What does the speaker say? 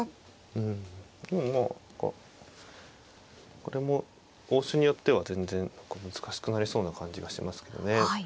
うんもうこれも応手によっては全然何か難しくなりそうな感じがしますけどね。